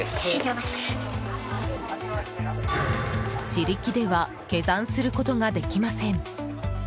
自力では下山することができません。